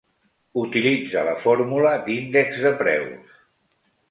Utilitza la fórmula d'índex de preus.